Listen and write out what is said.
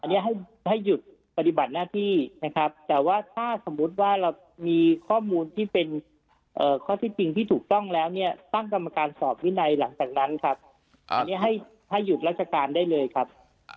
อันนี้ให้หยุดปฏิบัติหน้าที่นะครับแต่ว่าถ้าสมมุติว่าเรามีข้อมูลที่เป็นข้อที่จริงที่ถูกต้องแล้วเนี่ยตั้งกรรมการสอบวินัยหลังจากนั้นครับอันนี้ให้หยุดราชการได้เลยครับ